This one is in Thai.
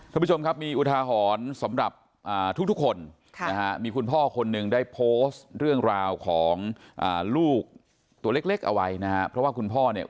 ท่านผู้ชมครับมีอุทาหรณ์สำหรับทุกคนค่ะนะฮะมีคุณพ่อคนหนึ่งได้โพสต์เรื่องราวของลูกตัวเล็กเอาไว้นะฮะเพราะว่าคุณพ่อเนี่ย